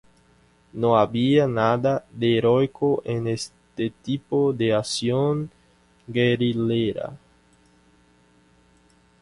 No había, nada de heroico en este tipo de acción guerrillera.